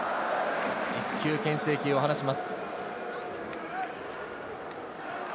１球、けん制球を放ちます。